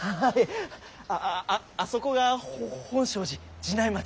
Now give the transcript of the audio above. あああそこがほほ本證寺寺内町。